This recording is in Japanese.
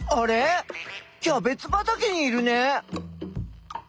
キャベツばたけにいるね。